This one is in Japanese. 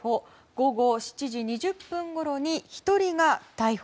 午後７時２０分ごろに１人が逮捕。